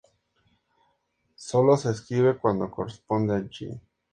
La "-i "final del "pinyin" sólo se escribe cuando corresponde a "yi".